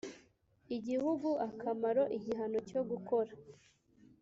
igihugu akamaro igihano cyo gukora